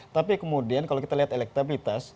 tapi kemudian kalau kita lihat elektabilitas